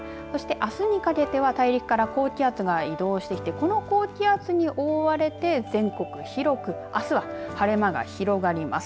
あすにかけて大陸から高気圧が移動して、この高気圧に覆われて全国広くあすは晴れ間が広がります。